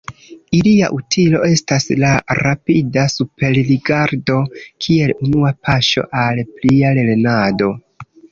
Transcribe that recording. Ilia utilo estas la rapida superrigardo, kiel unua paŝo al plia lernado.